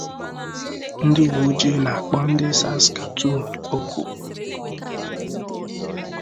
Ndị uwe-ojii na-akpọ ndị Saskatoon oku